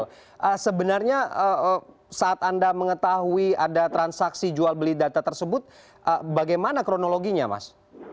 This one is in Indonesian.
oke sebenarnya saat anda mengetahui ada transaksi jual beli data tersebut bagaimana kronologinya mas